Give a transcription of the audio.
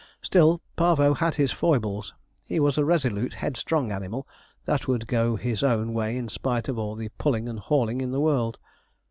Still Parvo had his foibles. He was a resolute, head strong animal, that would go his own way in spite of all the pulling and hauling in the world.